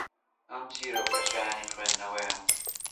ئەم چیرۆکە شایەنی خوێندنەوەیە